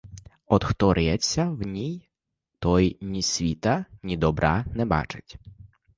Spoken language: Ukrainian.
От хто риється в ній, той ні світа, ні добра не бачить.